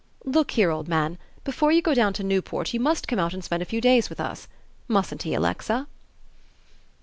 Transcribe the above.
"Look here, old man, before you go down to Newport you must come out and spend a few days with us mustn't he, Alexa?"